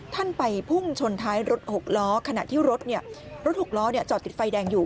ท่านไปพุ่งชนท้ายรถหกล้อขณะที่รถรถหกล้อจอดติดไฟแดงอยู่